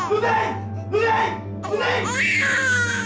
kamu jangan berpikiran bedek nunik